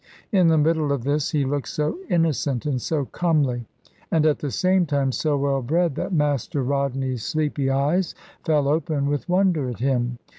In the middle of this he looked so innocent and so comely, and at the same time so well bred, that Master Rodney's sleepy eyes fell open with wonder at him.